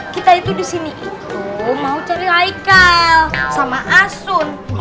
kita itu di sini itu mau cari ikal sama asun